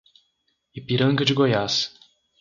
Ipiranga de Goiás